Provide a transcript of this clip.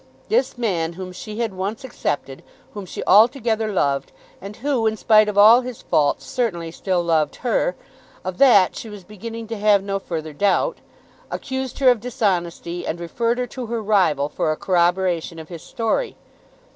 This man whom she had once accepted, whom she altogether loved, and who, in spite of all his faults, certainly still loved her, of that she was beginning to have no further doubt, accused her of dishonesty, and referred her to her rival for a corroboration of his story.